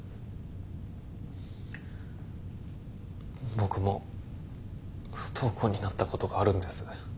僕も不登校になったことがあるんです。